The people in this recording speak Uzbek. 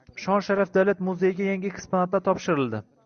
Shon-sharaf davlat muzeyiga yangi eksponatlar topshirildi